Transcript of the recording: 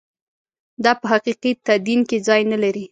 دا په حقیقي تدین کې ځای نه لري.